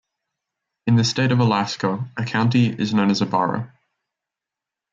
In the state of Alaska, a county is known as a borough.